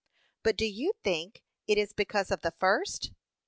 But do you think it is because of the first?